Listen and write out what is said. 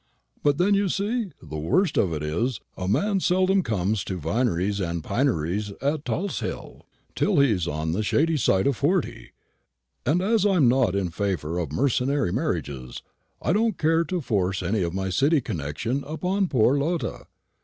But then, you see, the worst of it is, a man seldom comes to vineries and pineries at Tulse hill till he is on the shady side of forty; and as I am not in favour of mercenary marriages, I don't care to force any of my City connection upon poor Lotta.